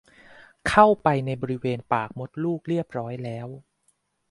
เข้าไปในบริเวณปากมดลูกเรียบร้อยแล้ว